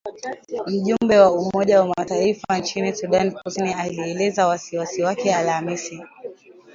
Mjumbe wa Umoja wa Mataifa nchini Sudan Kusini alielezea wasi wasi wake Alhamisi.